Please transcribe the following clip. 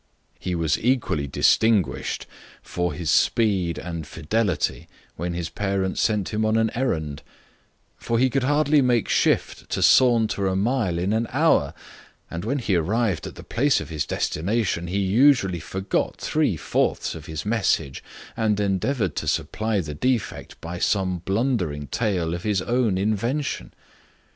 He was equally distinguished for his speed and fidelity when his parents sent him on an errand; for he could hardly make shift to saunter a mile in an hour, and when he arrived at the place of his destination, he usually forgot three fourths of his message, and endeavoured to supply the defect by some blundering tale of his own invention.